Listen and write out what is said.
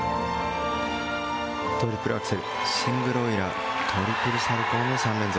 トリプルアクセルシングルオイラートリプルサルコウの３連続。